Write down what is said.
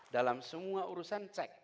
dalam semua urusan cek